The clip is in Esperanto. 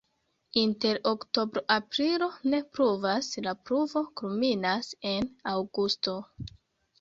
Inter oktobro-aprilo ne pluvas, la pluvo kulminas en aŭgusto.